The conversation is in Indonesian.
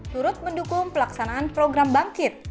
turut mendukung pelaksanaan program bangkit